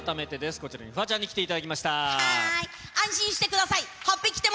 こちら、フワちゃんに来ていただはーい。